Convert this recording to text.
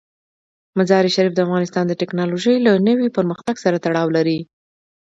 مزارشریف د افغانستان د تکنالوژۍ له نوي پرمختګ سره تړاو لري.